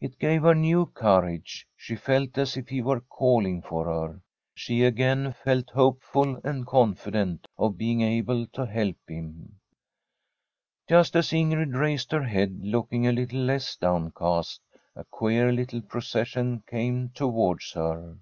It gave her new courage ; she felt as if he were calling for her. She again felt hopeful and confident of being able to help him. Just as Ingrid raised her head, looking a little less downcast, a queer little procession came towards her.